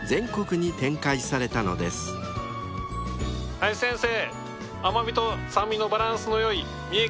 林先生。